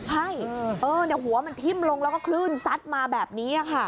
ใช่หัวมันทิ้มลงแล้วก็คลื่นซัดมาแบบนี้ค่ะ